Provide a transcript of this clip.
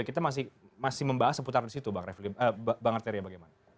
kita masih membahas seputar di situ bang arteria bagaimana